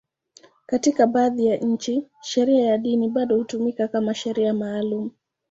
Katika baadhi ya nchi, sheria ya dini bado hutumika kama sheria maalum.